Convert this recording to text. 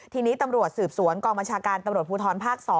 ทีนี้ตำรวจสืบสวนกองบัญชาการตำรวจภูทรภาค๒